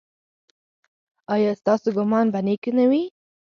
ایا ستاسو ګمان به نیک نه وي؟